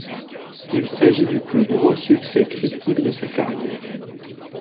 Il s'agit du plus gros succès critique de sa carrière.